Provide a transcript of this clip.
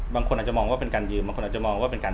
บางคนอาจจะมองว่าเป็นการ